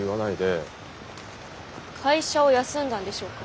会社を休んだんでしょうか？